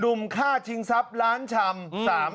ุ่มฆ่าชิงทรัพย์ร้านชำ